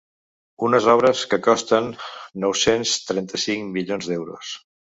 Unes obres que costen nou-cents trenta-cinc milions d’euros.